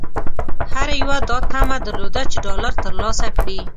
هر یوه دا طمعه درلوده چې ډالر ترلاسه کړي.